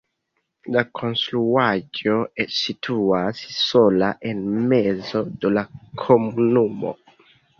La konstruaĵo situas sola en mezo de la komunumo.